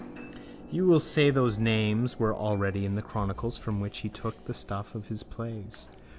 On. —You will say those names were already in the chronicles from which he took the stuff of his plays.